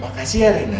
makasih ya rena